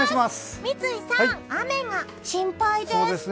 三井さん、雨が心配です。